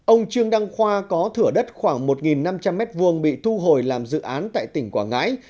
ông trương đăng khoa có thửa đất khoảng một năm trăm linh m hai bị thu hồi làm dự án tại tỉnh quảng ngãi